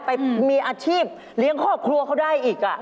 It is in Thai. ไปมีอาชีพเลี้ยงครอบครัวเขาได้อีก